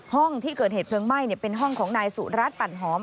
ห้องที่เกิดเหตุเพลิงไหม้เป็นห้องของนายสุรัตนปั่นหอม